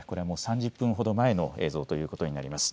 ３０分ほど前の様子です。